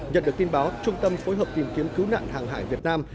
nhận được tin báo trung tâm phối hợp tìm kiếm cứu nạn hàng hải việt nam